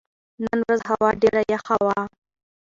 نن ورځ هوا ډېره یخه وه.